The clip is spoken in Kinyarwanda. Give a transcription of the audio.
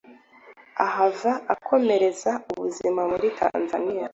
ahava akomereza ubuzima muri Tanzania.